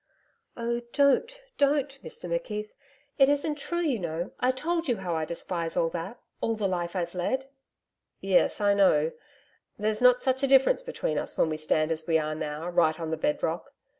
'Oh don't, don't, Mr McKeith. It isn't true, you know. I've told you how I despise all that all the life I've led.' 'Yes, I know. There's not such a difference between us when we stand as we are now, right on the bed rock.